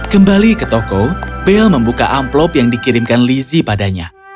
kembali ke toko bell membuka amplop yang dikirimkan lizzie padanya